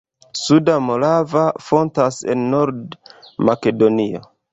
Suda Morava fontas en Nord-Makedonio.